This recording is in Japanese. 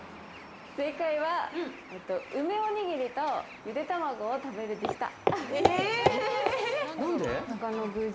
正解は、梅おにぎりと、ゆで卵を食べるでした。